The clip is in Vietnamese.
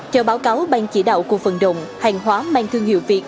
chờ báo cáo ban chỉ đạo cuộc vận động hàng hóa mang thương hiệu việt